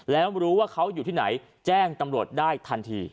แล้วรู้ว่าเขาอยู่ที่ไหนแจ้งตำรวจได้ทันที